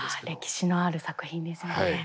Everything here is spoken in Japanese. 歴史のある作品ですよね。